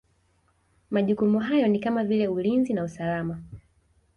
Majukumu hayo ni kama vile Ulinzi na usalama